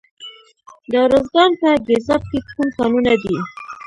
د ارزګان په ګیزاب کې کوم کانونه دي؟